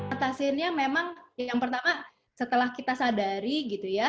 atasinya memang yang pertama setelah kita sadari